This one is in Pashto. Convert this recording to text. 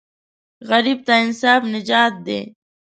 غریب ته انصاف نجات دی